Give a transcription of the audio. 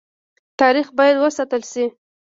تاریخ باید وساتل شي